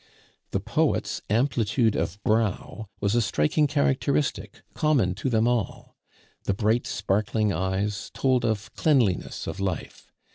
The poet's amplitude of brow was a striking characteristic common to them all; the bright, sparkling eyes told of cleanliness of life.